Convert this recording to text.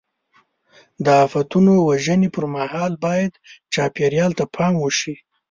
د آفتونو وژنې پر مهال باید چاپېریال ته پام وشي.